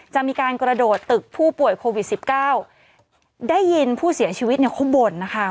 จะมีการกระโดดตึกผู้ป่วยโควิดสิบเก้าได้ยินผู้เสียชีวิตเนี่ยเขาบ่นนะคะ